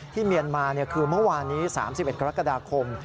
เมียนมาคือเมื่อวานนี้๓๑กรกฎาคม